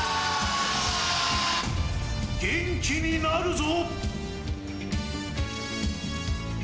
元気になるぞ！